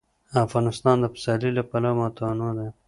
افغانستان د پسرلی له پلوه متنوع دی.